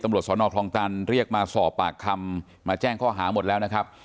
สอนอคลองตันเรียกมาสอบปากคำมาแจ้งข้อหาหมดแล้วนะครับ